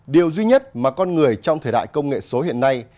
điều duy nhất mà con người trong thời đại công nghệ số hiện nay